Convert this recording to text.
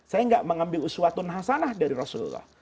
saya nggak mengambil uswatun hasanah dari rasulullah